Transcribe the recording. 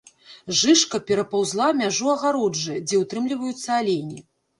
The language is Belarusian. Жыжка перапаўзла мяжу агароджы, дзе ўтрымліваюцца алені.